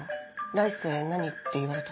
来世何って言われた？